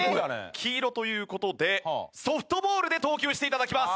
黄色という事でソフトボールで投球して頂きます。